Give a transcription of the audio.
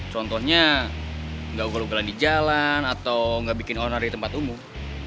contohnya gak ugal ugalan di jalan atau gak bikin orang ada di tempat umum